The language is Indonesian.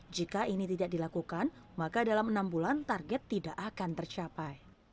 jika ini tidak dilakukan maka dalam enam bulan target tidak akan tercapai